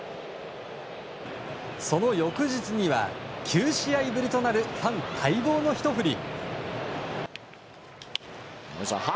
その翌日には、９試合ぶりとなるファン待望のひと振り。